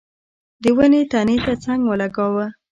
د ونې تنې ته څنګ ولګاوه.